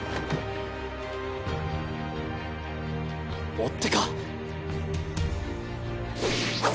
追っ手か！？